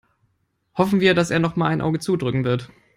Hoffen wir, dass er nochmal ein Auge zudrücken wird.